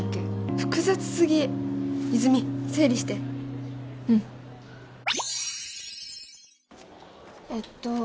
複雑すぎ泉整理してうんえっと